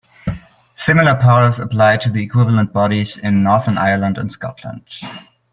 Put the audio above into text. Similar powers apply to the equivalent bodies in Northern Ireland and Scotland.